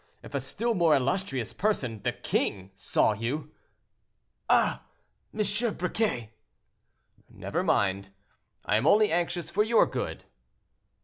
If a still more illustrious person—the king—saw you—" "Ah! M. Briquet—" "Never mind; I am only anxious for your good."